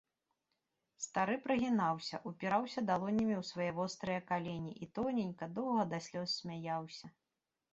Стары прыгінаўся, упіраўся далонямі ў свае вострыя калені і тоненька, доўга да слёз смяяўся.